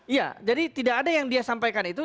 iya jadi tidak ada yang dia sampaikan itu